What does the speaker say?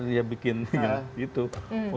dia bikin gitu